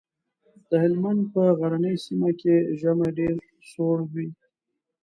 د هلمند په غرنۍ سيمه کې ژمی ډېر سوړ وي.